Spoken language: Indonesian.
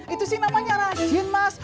itu sih namanya rahyun mas